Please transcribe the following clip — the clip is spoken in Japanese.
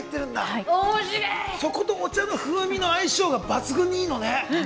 そことお茶の風味の相性が抜群にいいのね！